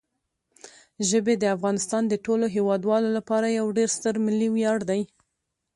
ژبې د افغانستان د ټولو هیوادوالو لپاره یو ډېر ستر ملي ویاړ دی.